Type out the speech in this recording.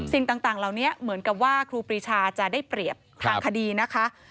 สิ่งต่างเหล่านี้เหมือนกับว่าครูปรีชาจะได้เปรียบทางคดีนะคะ